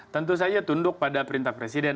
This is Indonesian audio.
tentu saja tunduk pada perintah presiden